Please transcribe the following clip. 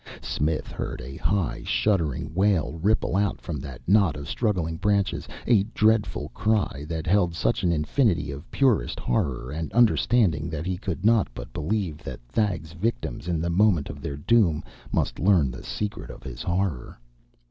Smith heard a high, shuddering wail ripple out from that knot of struggling branches, a dreadful cry that held such an infinity of purest horror and understanding that he could not but believe that Thag's victims in the moment of their doom must learn the secret of his horror.